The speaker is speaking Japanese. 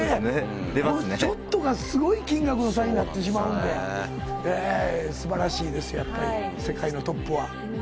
そのちょっとがすごい金額の差になってしまうんで、素晴らしいです、やっぱり世界のトップは。